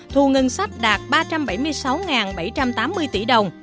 thu ngân sách đạt ba trăm bảy mươi sáu bảy trăm tám mươi tỷ đồng